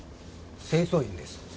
清掃員です。